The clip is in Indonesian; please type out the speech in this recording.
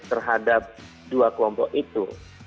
terhadap dua kompo itu